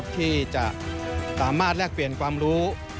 ที่จะสามารถแลกเปลี่ยนความรู้